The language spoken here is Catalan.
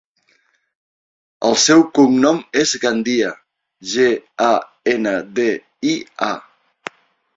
El seu cognom és Gandia: ge, a, ena, de, i, a.